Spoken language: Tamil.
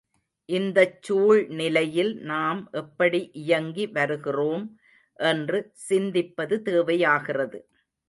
இந்தச் சூழ்நிலையில் நாம் எப்படி இயங்கி வருகிறோம் என்று சிந்திப்பது தேவையாகிறது.